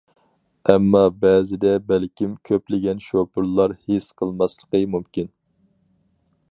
ئەمما بەزىدە بەلكىم كۆپلىگەن شوپۇرلار ھېس قىلماسلىقى مۇمكىن.